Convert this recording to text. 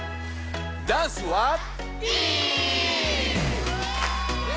ダンスは？